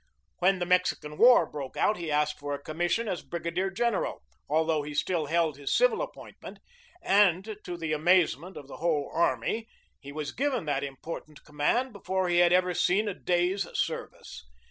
When the Mexican war broke out he asked for a commission as brigadier general, although he still held his civil appointment, and, to the amazement of the whole army, he was given that important command before he had ever seen a day's service.